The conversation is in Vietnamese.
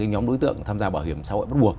nhóm đối tượng tham gia bảo hiểm xã hội bắt buộc